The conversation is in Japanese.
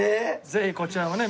ぜひこちらもね